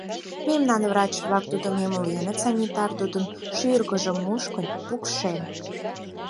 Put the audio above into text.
Мемнан врач-влак тудым эмленыт, санитар тудын шӱргыжым мушкын, пукшен.